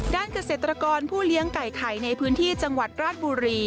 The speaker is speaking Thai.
เกษตรกรผู้เลี้ยงไก่ไข่ในพื้นที่จังหวัดราชบุรี